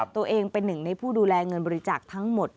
ตัวเองเป็นหนึ่งในผู้ดูแลเงินบริจาคทั้งหมด